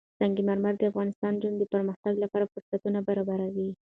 سنگ مرمر د افغان نجونو د پرمختګ لپاره فرصتونه برابروي.